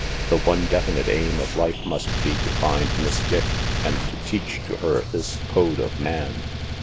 The one definite aim of life must be to find Miss Dick and to teach to her this code of man!